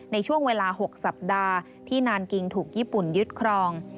ในช่วงเวลา๖สัปดาห์ที่นานกิงถูกญี่ปุ่นยึดครอง